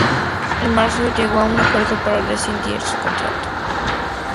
En marzo llegó a un acuerdo para rescindir su contrato.